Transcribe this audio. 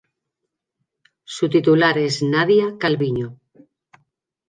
Su titular es Nadia Calviño.